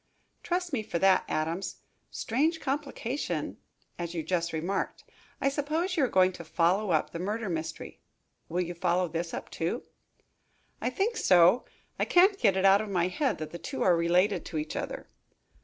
"Trust me for that, Adams. Strange complication, as you just remarked. I suppose you are going to follow up the murder mystery. Will you follow this up, too?" "I think so. I can't get it out of my head that the two are related to each other."